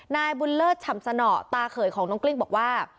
นายบุญเลิศฉ่ำสนอตาเขยของน้องกลิ้งบอกว่า